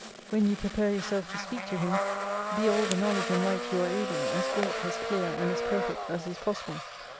When you prepare yourself to speak to Him, be all the know ledge and light you are able, as great, as clear, and as perfect as is possible.